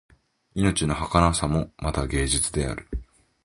命のはかなさもまた芸術である